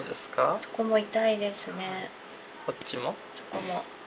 そこも。